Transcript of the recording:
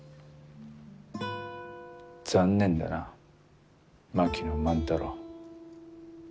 残念だな槙野万太郎。